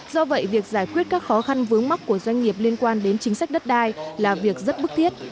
do vậy việc giải quyết các khó khăn vướng mắt của doanh nghiệp liên quan đến chính sách đất đai là việc rất bức thiết